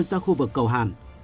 ra khu vực cầu hàn